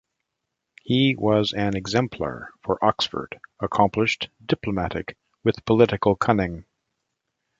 He was an exemplar for Oxford, accomplished, diplomatic, with political cunning.